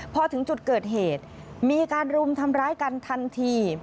พอถึงจุดเกิดเหตุมีการรุมทำร้ายกันทันที